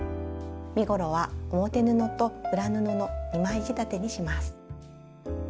身ごろは表布と裏布の２枚仕立てにします。